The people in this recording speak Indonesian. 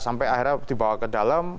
sampai akhirnya dibawa ke dalam